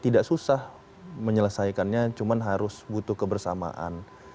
tidak susah menyelesaikannya cuma harus butuh kebersamaan